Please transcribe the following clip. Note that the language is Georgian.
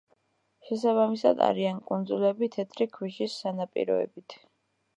შესაბამისად არიან კუნძულები თეთრი ქვიშის სანაპიროებით.